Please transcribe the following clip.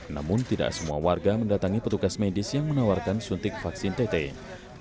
namun tidak semua warga mendatangi petugas medis yang menawarkan suntik vaksin tete